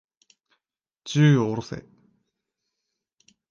銃を下ろせ。